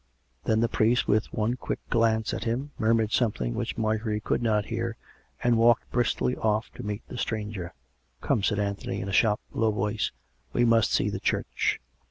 Then the priest, with one quick glance at him, murmured something which Marjorie could not hear, and walked briskly off to meet the stranger. " Come," said Anthony in a sharp, low voice, " we must see the church."